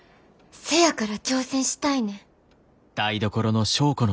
せやから挑戦したいねん。